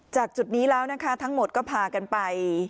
จุดนี้แล้วนะคะทั้งหมดก็พากันไป